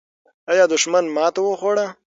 آیا دښمن ماته وخوړه؟